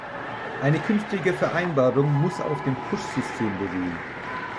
Eine künftige Vereinbarung muss auf dem Push-System beruhen.